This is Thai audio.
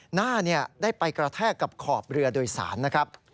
หน้าได้ไปกระแทกกับขอบเรือโดยสารนะครับ